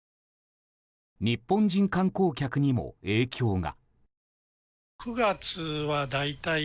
日本人観光客にも影響が。